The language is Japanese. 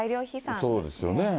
そうですよね。